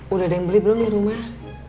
udah ada yang beli belum di rumah